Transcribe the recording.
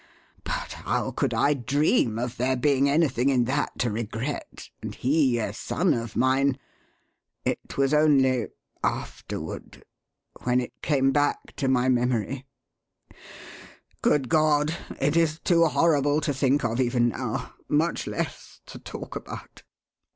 But how could I dream of there being anything in that to regret, and he a son of mine? It was only afterward when it came back to my memory Good God! it is too horrible to think of even now, much less to talk about!"